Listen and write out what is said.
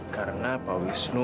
karena pak wisnu